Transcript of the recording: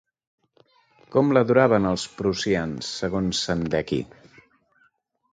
Com l'adoraven els prussians, segons Sandecki?